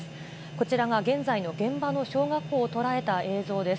こちらが現在の現場の小学校を捉えた映像です。